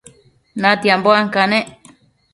natianbo ancanec